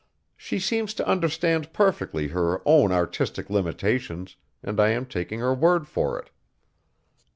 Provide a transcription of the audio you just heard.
She seems to understand perfectly her own artistic limitations, and I am taking her word for it."